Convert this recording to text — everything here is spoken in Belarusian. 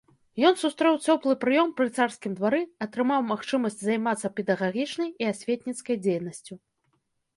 Ён сустрэў цёплы прыём пры царскім двары, атрымаў магчымасць займацца педагагічнай і асветніцкай дзейнасцю.